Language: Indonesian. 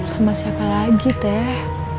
sama siapa lagi teh